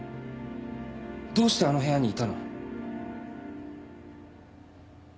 どうしてあの部屋にいたの？